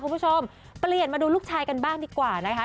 คุณผู้ชมเปลี่ยนมาดูลูกชายกันบ้างดีกว่านะคะ